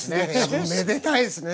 おめでたいっすね。